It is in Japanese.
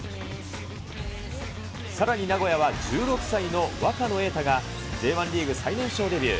さらに名古屋は１６歳の若野瑛太がＢ１リーグ最年少デビュー。